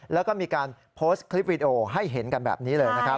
และก็มีการโพสต์คลิปวีดีโอให้เห็นกันแบบนี้เลย